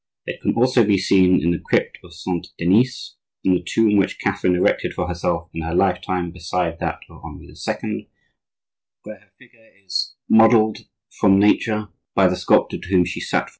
It can also be seen in the crypt of Saint Denis, on the tomb which Catherine erected for herself in her lifetime beside that of Henri II., where her figure is modelled from nature by the sculptor to whom she sat for it.